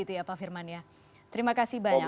terima kasih banyak